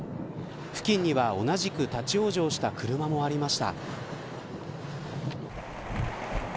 付近には、同じく立ち往生した車もありました。